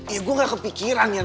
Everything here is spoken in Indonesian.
ya gue gak kepikiran